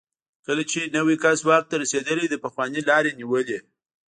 کله چې نوی کس واک ته رسېدلی، د پخواني لار یې نیولې.